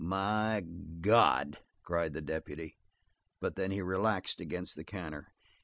"My God!" cried the deputy. But then he relaxed against the counter.